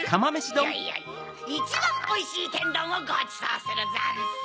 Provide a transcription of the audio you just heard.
いやいやいやいちばんおいしいてんどんをごちそうするざんす！